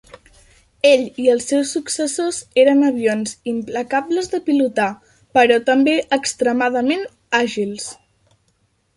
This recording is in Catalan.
Ell i els seus successors eren avions implacables de pilotar, però també extremadament àgils.